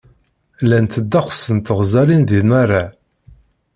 Llant ddeqs n teɣzalin di Nara.